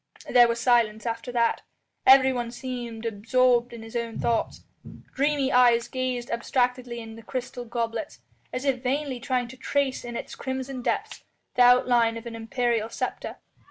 There was silence after that. Everyone seemed absorbed in his own thoughts. Dreamy eyes gazed abstractedly in crystal goblets, as if vainly trying to trace in its crimson depths the outline of an imperial sceptre.